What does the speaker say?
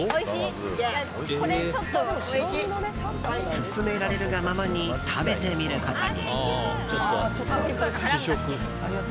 勧められるがままに食べてみることに。